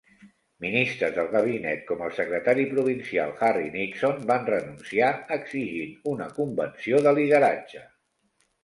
Ministres del gabinet, com el secretari provincial Harry Nixon, van renunciar, exigint una convenció de lideratge.